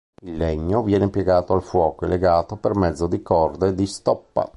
Il legno viene piegato al fuoco e legato per mezzo di corde di stoppa.